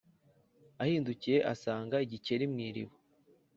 ihindukiye isanga igikeri mu iriba